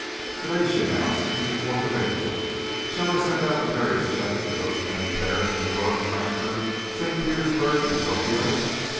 "To day," she announced, "is the fourth of April. Shall I send out the various checks to those men in Paris, New York, Frankfort, St. Petersburg, and Tokio?"